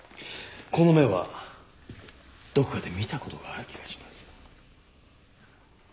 この目はどこかで見たことがある気がします。